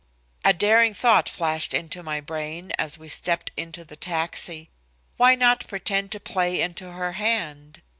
A daring thought flashed into my brain as we stepped into the taxi. Why not pretend to play into her hand?